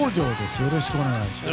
よろしくお願いします。